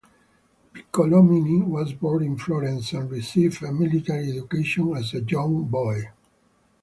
Piccolomini was born in Florence and received a military education as a young boy.